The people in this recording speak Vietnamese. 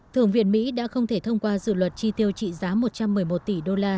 thượng viện mỹ đã không thể thông qua dự luật chi tiêu trị giá một trăm một mươi một tỷ đô la